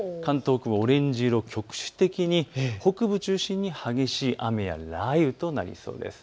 オレンジ色、局地的に北部を中心に激しい雨や雷雨となりそうです。